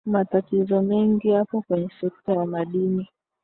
matatizo mengi yapo kwenye sekta ya madini